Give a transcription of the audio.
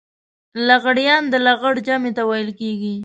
لغړيان د لغړ جمع ته ويل کېږي.